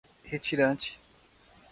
retirante